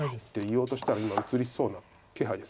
言おうとしたら今映りそうな気配ですね。